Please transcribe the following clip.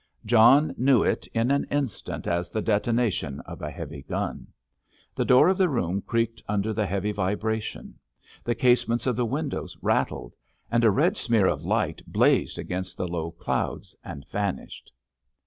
John knew it in an instant as the detonation of a heavy gun. The door of the room creaked under the heavy vibration, the casements of the window rattled, and a red smear of light blazed against the low clouds and vanished.